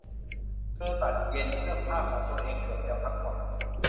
เธอตัดเย็นเสื้อผ้าของตัวเองเกือบจะทั้งหมด